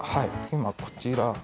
今こちら。